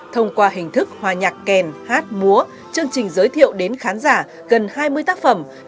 thông qua hình thức hòa nhạc kèn hát múa chương trình giới thiệu đến khán giả gần hai mươi tác phẩm